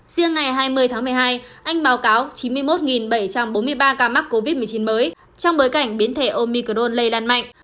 riêng ngày hai mươi tháng một mươi hai anh báo cáo chín mươi một bảy trăm bốn mươi ba ca mắc covid một mươi chín mới trong bối cảnh biến thể omicron lây lan mạnh